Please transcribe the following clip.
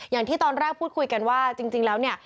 อย่างที่ตอนแรกพูดคุยกันว่าจริงแล้วเนี่ย